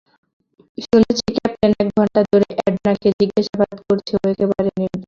শুনেছি, ক্যাপ্টেন এক ঘন্টা ধরে এডনা-কে জিজ্ঞাসাবাদ করেছে, ও একেবারে নির্দোষ।